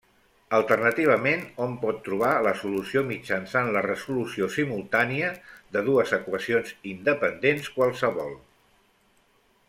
Alternativament, hom pot trobar la solució mitjançant la resolució simultània de dues equacions independents qualssevol.